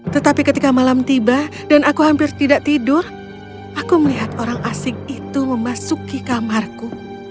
tetapi ketika malam tiba dan aku hampir tidak tidur aku melihat orang asing itu memasuki kamarku